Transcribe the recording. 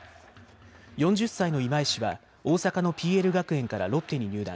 ４０歳の今江氏は大阪のＰＬ学園からロッテに入団。